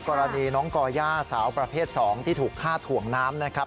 กรณีน้องก่อย่าสาวประเภท๒ที่ถูกฆ่าถ่วงน้ำนะครับ